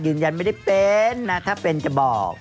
ยืนยันไม่ได้เป็นนะถ้าเป็นจะบอก